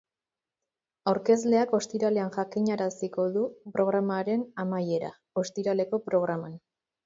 Aurkezleak ostiralean jakinaraziko du programaren amaiera, ostiraleko programan.